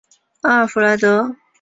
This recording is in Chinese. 阿尔弗莱德？